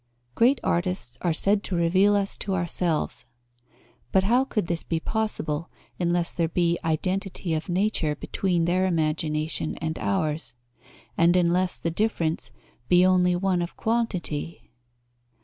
Great artists are said to reveal us to ourselves. But how could this be possible, unless there be identity of nature between their imagination and ours, and unless the difference be only one of quantity?